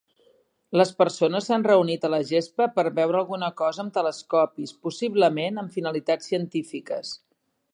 Les persones s'han reunit a la gespa per veure alguna cosa amb telescopis, possiblement amb finalitats científiques.